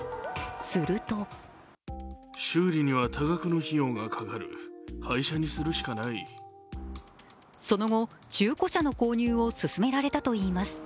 するとその後、中古車の購入を勧められたといいます。